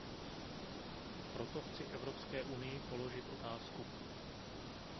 Proto chci Evropské unii položit otázku.